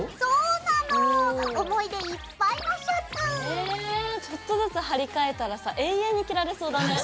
ええちょっとずつ貼り替えたらさ永遠に着られそうだね。